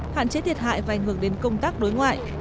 hạn chế thiệt hại và ảnh hưởng đến công tác đối ngoại